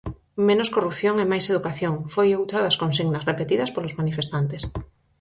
Menos corrupción e máis educación, foi outra das consignas repetidas polos manifestantes.